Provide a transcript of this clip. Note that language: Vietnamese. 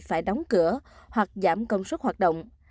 phải đóng cửa hoặc giảm công suất hoạt động